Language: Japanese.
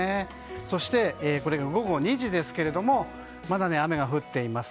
そして午後２時ですがまだ雨が降っています。